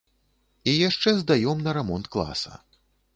І яшчэ здаём на рамонт класа.